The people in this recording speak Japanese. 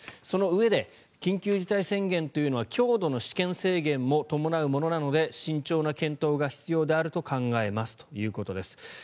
そのうえで緊急事態宣言というのは強度の私権制限も伴うものなので慎重な検討が必要であると考えますということです。